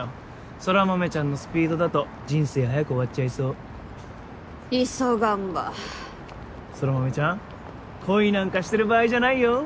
空豆ちゃんのスピードだと人生早く終わっちゃいそう急がんば空豆ちゃん恋なんかしてる場合じゃないよ？